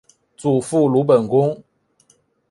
祖父鲁本恭。